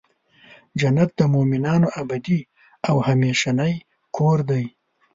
جنت د مؤمنانو ابدې او همیشنی کور دی .